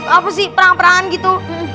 apa sih perang perang gitu